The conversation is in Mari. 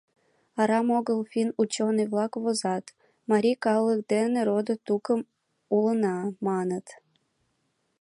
Арам огыл финн ученый-влак возат: «Марий калык дене родо-тукым улына», — маныт.